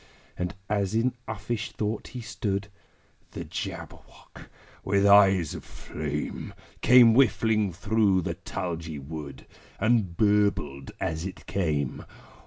And, as in uffish thought he stood, The Jabberwock, with eyes of flame, Came whiffling through the tulgey wood, And burbled as it came!